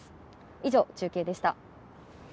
以上、中継でした。